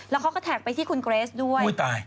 แล้วเขาก็แท็กไปที่คุณเกรสด้วย